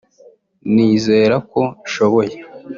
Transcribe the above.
nizera ko nshoboye